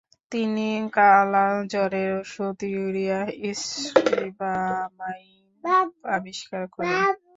তিনি কালাজ্বরের ওষুধ urea stibamine আবিষ্কার করেন।